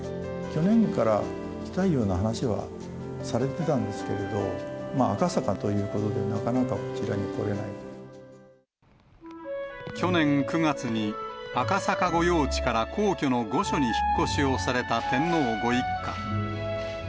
去年から来たいような話はされてたんですけれど、赤坂ということ去年９月に、赤坂御用地から皇居の御所に引っ越しをされた天皇ご一家。